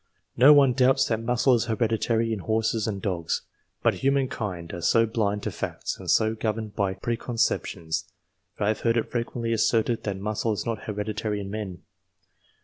No one doubts that muscle is hereditary in horses and dogs, but humankind are so blind to facts and so governed by preconceptions, that I have heard it frequently asserted that muscle is not hereditary in men.